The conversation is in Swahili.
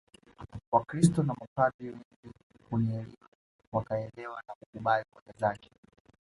Wakristo na mapadri wengi wenye elimu wakaelewa na kukubali hoja zake